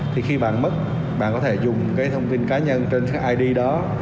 thì khi bạn mất bạn có thể dùng cái thông tin cá nhân trên các id đó